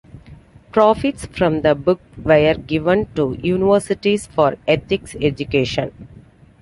Profits from the book were given to universities for ethics education.